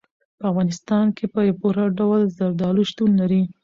په افغانستان کې په پوره ډول زردالو شتون لري.